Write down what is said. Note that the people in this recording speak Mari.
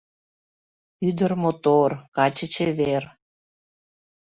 Ӱдыр мотор, каче чевер